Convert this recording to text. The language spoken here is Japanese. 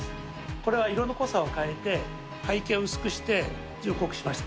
これは色の濃さを変えて、背景を薄くして字を濃くしました。